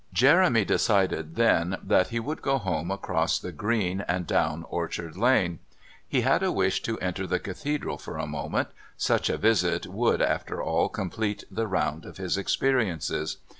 Jeremy decided then that he would go home across the green and down Orchard Lane. He had a wish to enter the Cathedral for a moment; such a visit would, after all, complete the round of his experiences.